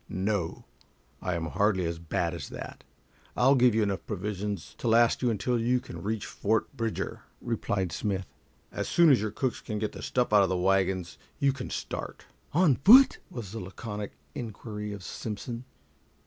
"No; I am hardly as bad as that. I'll give you enough provisions to last you until you can reach Fort Bridger," replied Smith. "And as soon as your cooks can get the stuff out of the wagons you can start." "On foot?" was the laconic inquiry of Simpson.